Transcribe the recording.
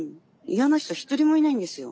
嫌な人ひとりもいないんですよ。